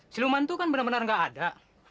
ciluman itu kan benar benar nggak ada